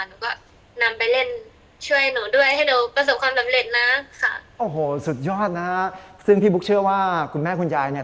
หนูก็นำไปเล่นช่วยหนูด้วยให้หนูประสบความสำเร็จนะค่ะโอ้โหสุดยอดนะฮะซึ่งพี่บุ๊กเชื่อว่าคุณแม่คุณยายเนี่ย